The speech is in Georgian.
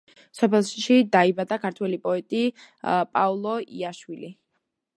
სოფელში დაიბადა ქართველი პოეტი პაოლო იაშვილი.